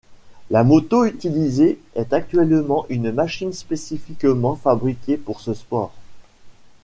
La moto utilisée est actuellement une machine spécifiquement fabriquée pour ce sport.